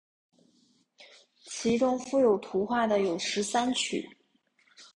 其中附有图画的有十三曲。